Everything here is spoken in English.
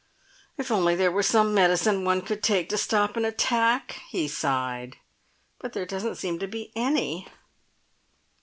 "If only there were some medicine one could take to stop an attack!" he sighed. "But there doesn't seem to be any."